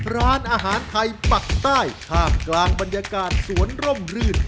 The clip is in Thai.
ร้านอาหารไทยปักใต้ท่ามกลางบรรยากาศสวนร่มรื่น